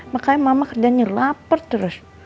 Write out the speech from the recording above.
makanya mama kerjanya lapar terus